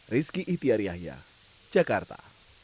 rizky itiar yahya jakarta